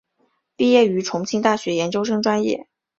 毕业于重庆大学研究生专业。